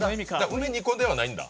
うめ２個ではないんだ。